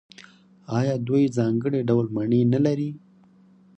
آیا دوی ځانګړي ډول مڼې نلري؟